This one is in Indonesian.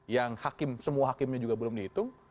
yang semua hakimnya juga belum dihitung